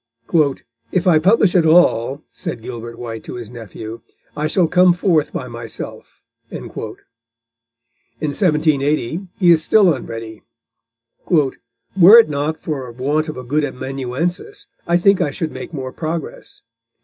"If I publish at all," said Gilbert White to his nephew, "I shall come forth by myself." In 1780 he is still unready: "Were it not for want of a good amanuensis, I think I should make more progress."